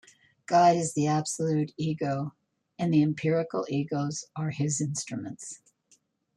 God is the absolute Ego, and the empirical egos are his instruments.